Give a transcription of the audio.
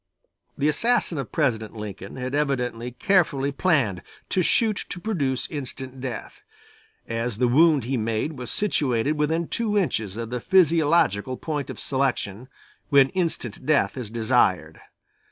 The assassin of President Lincoln had evidently carefully planned to shoot to produce instant death, as the wound he made was situated within two inches of the physiological point of selection, when instant death is desired.